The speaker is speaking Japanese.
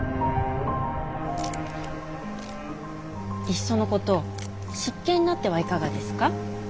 いっそのこと執権になってはいかがですか。